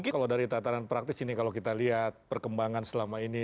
kalau dari tataran praktis ini kalau kita lihat perkembangan selama ini